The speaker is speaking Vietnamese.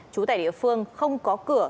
trú tại địa phương không có cửa